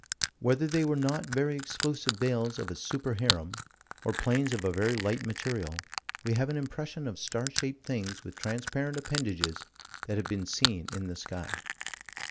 Whether they were not very exclusive veils of a super harem, or planes of a very light material, we have an impression of star shaped things with transparent appendages that have been seen in the sky.